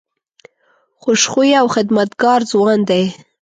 خوش خویه او خدمتګار ځوان دی.